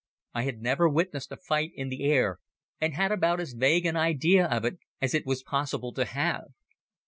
I had never witnessed a fight in the air and had about as vague an idea of it as it was possible to have.